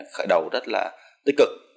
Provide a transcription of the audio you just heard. khởi đầu rất là tích cực